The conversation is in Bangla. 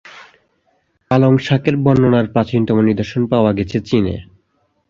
পালং শাকের বর্ণনার প্রাচীনতম নিদর্শন পাওয়া গেছে চীনে।